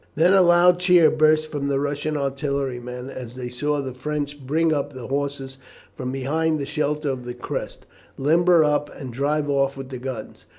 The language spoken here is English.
Then a loud cheer burst from the Russian artillery men as they saw the French bring up the horses from behind the shelter of the crest, limber up and drive off with the guns.